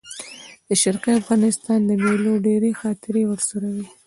د شرقي افغانستان د مېلو ډېرې خاطرې ورسره وې.